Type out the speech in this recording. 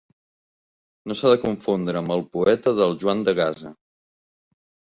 No s'ha de confondre amb el poeta del Joan de Gaza.